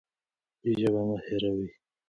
ژبه مه هېروئ.